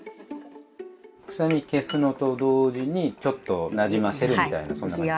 臭み消すのと同時にちょっとなじませるみたいなそんな感じ。